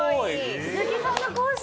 鈴木さんのコース